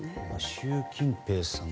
習近平さん